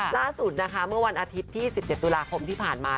ล่าสุดนะคะเมื่อวันอาทิตย์ที่๑๗ตุลาคมที่ผ่านมา